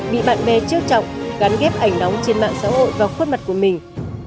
bị bạn bè trêu trọng gắn ghép ảnh đóng trên mạng xã hội vào khuất mặt của mình